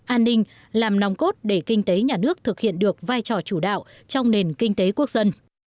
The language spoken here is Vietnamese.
an ninh làm nòng cốt để kinh tế nhà nước thực hiện được vai trò chủ đạo trong nền kinh tế quốc dân